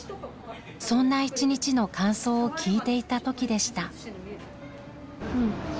そんな一日の感想を聞いていたときでした。